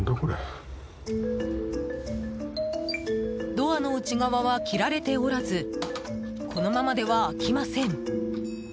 ドアの内側は切られておらずこのままでは開きません。